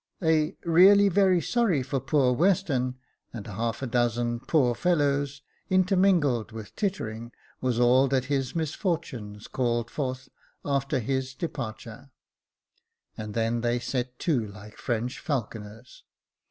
A " really very sorry for poor Western," and a half dozen " poor fellows !" intermingled with tittering, was all that his misfortunes called forth after his depar ture j and then they set to like French falconers.